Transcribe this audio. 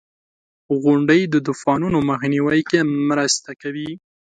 • غونډۍ د طوفانونو مخنیوي کې مرسته کوي.